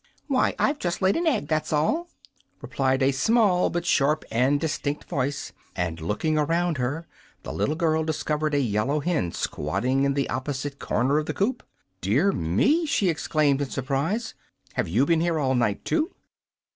"Why, I've just laid an egg, that's all," replied a small, but sharp and distinct voice, and looking around her the little girl discovered a yellow hen squatting in the opposite corner of the coop. "Dear me!" she exclaimed, in surprise; "have YOU been here all night, too?"